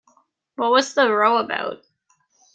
What was the row about?